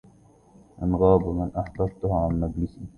إن غاب من أحببته عن مجلسي